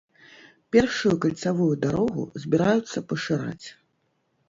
Першую кальцавую дарогу збіраюцца пашыраць.